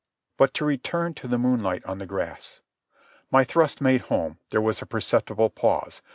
But to return to the moonlight on the grass. My thrust made home, there was a perceptible pause.